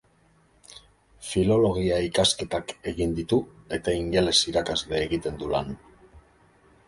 Filologia ikasketak egin ditu eta ingeles irakasle egiten du lan.